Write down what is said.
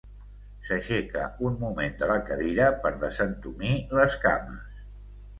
S'aixeca un moment de la cadira per desentumir les cames.